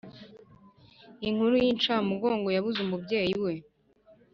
Inkuru yinsha mugongo yabuze umubyeyi we